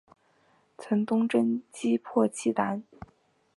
曾东征击破契丹。